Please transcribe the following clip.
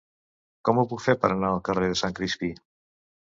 Com ho puc fer per anar al carrer de Sant Crispí?